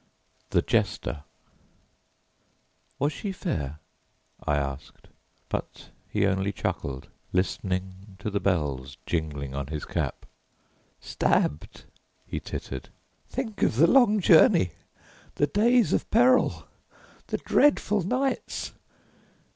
THE JESTER "Was she fair?" I asked, but he only chuckled, listening to the bells jingling on his cap. "Stabbed," he tittered. "Think of the long journey, the days of peril, the dreadful nights!